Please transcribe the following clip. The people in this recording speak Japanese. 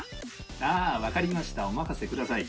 ああ、分かりましたお任せください。